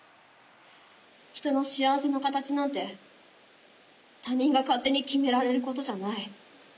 人の幸せの形なんて他人が勝手に決められることじゃない。